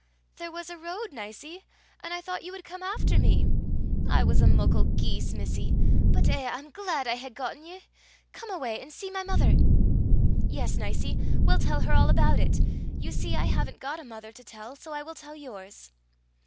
"There was a road, Nicie, and I thought you would come after me." "I was a muckle geese, missie; but eh! I'm glaid I hae gotten ye. Come awa an' see my mither." "Yes, Nicie. We'll tell her all about it. You see I haven't got a mother to tell, so I will tell yours."